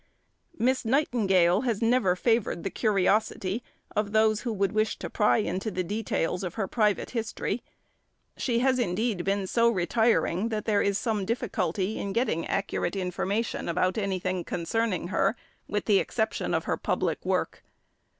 Miss Nightingale has never favoured the curiosity of those who would wish to pry into the details of her private history. She has indeed been so retiring that there is some difficulty in getting accurate information about anything concerning her, with the exception of her public work.